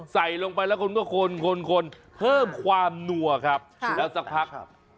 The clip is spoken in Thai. ใส่ตังลงไปแล้วก็คลนเพิ่มความจริงแล้วอันสักพัก